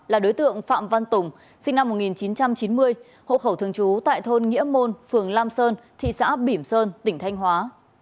là đối tượng phạm văn tùng sinh năm một nghìn chín trăm chín mươi hộ khẩu thường trú tại thôn nghĩa môn phường lam sơn thị xã bỉm sơn tỉnh thanh hóa